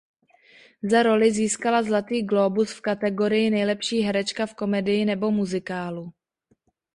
Za roli získala Zlatý glóbus v kategorii nejlepší herečka v komedii nebo muzikálu.